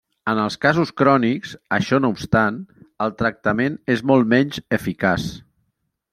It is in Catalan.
En els casos crònics, això no obstant, el tractament és molt menys eficaç.